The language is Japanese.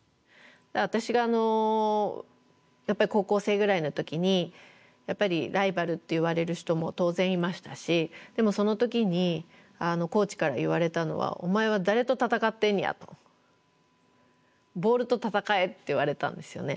私がやっぱり高校生ぐらいの時にライバルっていわれる人も当然いましたしでもその時にコーチから言われたのは「お前は誰と戦ってんのや」と「ボールと戦え」って言われたんですよね。